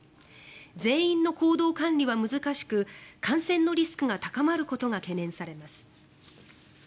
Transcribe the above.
全員の行動管理は難しく感染のリスクが高まることが懸念されます。